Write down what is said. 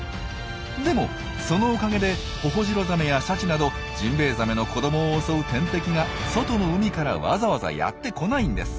でもそのおかげでホホジロザメやシャチなどジンベエザメの子どもを襲う天敵が外の海からわざわざやってこないんです。